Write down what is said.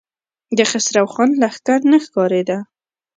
د خسرو خان لښکر نه ښکارېده.